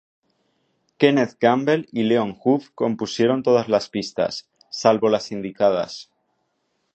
Kenneth Gamble y Leon Huff compusieron todas las pistas; salvo las indicadas